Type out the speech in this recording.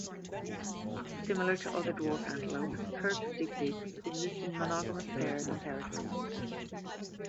Similar to other dwarf antelopes, Kirk's dik-diks exist in monogamous pairs on territories.